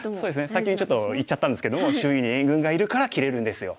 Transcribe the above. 先にちょっと言っちゃったんですけども周囲に援軍がいるから切れるんですよ。